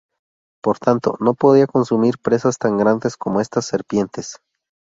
Por tanto, no podía consumir presas tan grandes como estas serpientes.